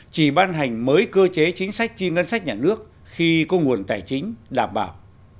chỉ ban hành mới cơ chế chính sách chi ngân sách nhà nước khi có nguồn tài chính đảm bảo